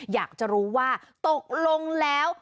อยากจะรู้ว่าตกลงแล้ว